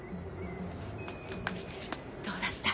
どうだった？